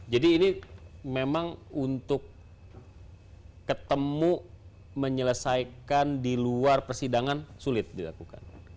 jadi ini memang untuk ketemu menyelesaikan di luar persidangan sulit dilakukan